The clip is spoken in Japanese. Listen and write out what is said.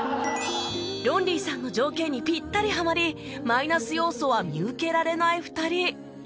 ロンリーさんの条件にピッタリはまりマイナス要素は見受けられない２人